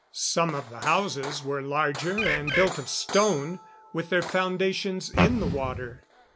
Some of the houses were larger and built of stone, with their foundations in the water.